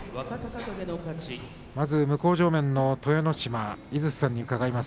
向正面の豊ノ島、井筒さんに伺います。